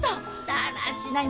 だらしない！